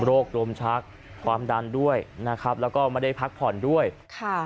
โรคลมชักความดันด้วยนะครับแล้วก็ไม่ได้พักผ่อนด้วยค่ะ